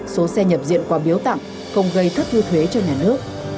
số xe nhập diện quà biếu tặng không gây thất thu thuế cho nhà nước